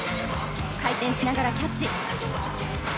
回転しながらキャッチ。